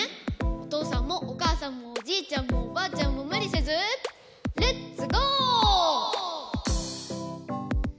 おとうさんもおかあさんもおじいちゃんもおばあちゃんもむりせずレッツゴー！